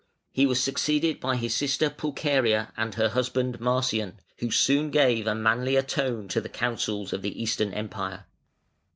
He was succeeded by his sister Pulcheria and her husband Marcian, who soon gave a manlier tone to the counsels of the Eastern Empire.